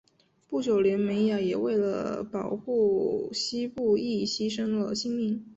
不久连美雅也为了保护希布亦牺牲了性命。